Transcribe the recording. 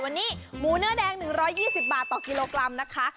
วันนี้หมูเนื้อแดง๑๒๐บาทต่อกิโลกรัมนะคะ